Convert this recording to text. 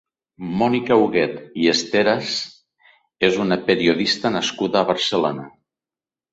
Mònica Huguet i Esteras és una periodista nascuda a Barcelona.